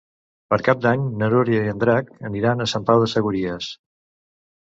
Per Cap d'Any na Núria i en Drac aniran a Sant Pau de Segúries.